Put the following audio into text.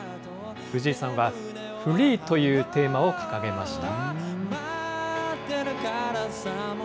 藤井さんはＦｒｅｅというテーマを掲げました。